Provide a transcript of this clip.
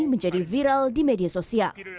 menjadi viral di media sosial